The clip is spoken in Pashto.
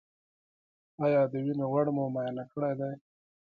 ایا د وینې غوړ مو معاینه کړي دي؟